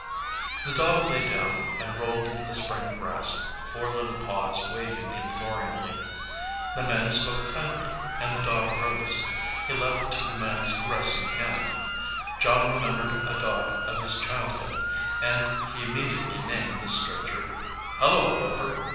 The dog lay down and rolled in the spring grass, four little paws waving imploringly. The man spoke kindly, and the dog rose. He leaped to the man s caressing hand. John remembered a dog of his childhood, and he immediately named this stranger. "Hullo, Rover!"